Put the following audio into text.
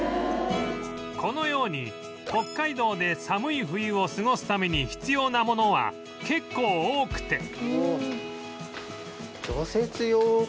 このように北海道で寒い冬を過ごすために必要なものは結構多くて